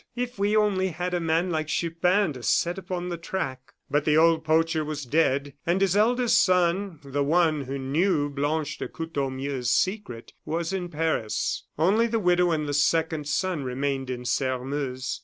"If we only had a man like Chupin to set upon the track!" But the old poacher was dead, and his eldest son the one who knew Blanche de Courtornieu's secret was in Paris. Only the widow and the second son remained in Sairmeuse.